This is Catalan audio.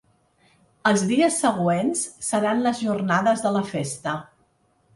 Els dies següents seran les jornades de la festa.